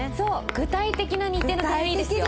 具体的な日程の提案いいですよ。